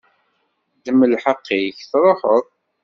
Ddem lḥeqq-ik tṛuḥeḍ.